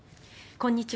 こんにちは。